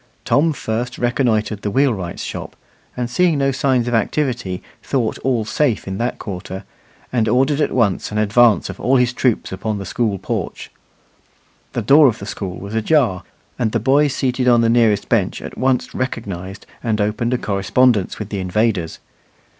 Tom first reconnoitred the wheelwright's shop; and seeing no signs of activity, thought all safe in that quarter, and ordered at once an advance of all his troops upon the schoolporch. The door of the school was ajar, and the boys seated on the nearest bench at once recognized and opened a correspondence with the invaders.